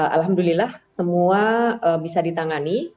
alhamdulillah semua bisa ditangani